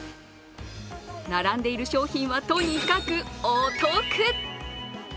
並んでいる商品はとにかくお得。